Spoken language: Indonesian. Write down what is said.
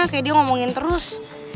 kayak dia ngomongin terus